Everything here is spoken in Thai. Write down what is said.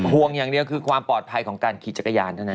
ห่วงอย่างเดียวคือความปลอดภัยของการขี่จักรยานเท่านั้น